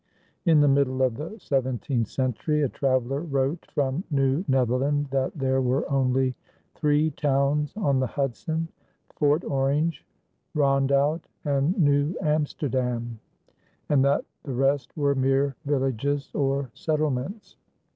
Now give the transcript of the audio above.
In the middle of the seventeenth century a traveler wrote from New Netherland that there were only three towns on the Hudson Fort Orange, Rondout, and New Amsterdam and that the rest were mere villages or settlements.